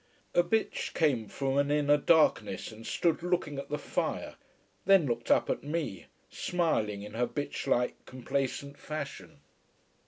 A bitch came from an inner darkness and stood looking at the fire, then looked up at me, smiling in her bitch like, complacent fashion.